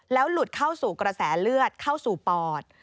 หลุดเข้าสู่กระแสเลือดเข้าสู่ปอด